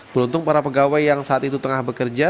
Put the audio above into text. beruntung para pegawai yang saat itu tengah bekerja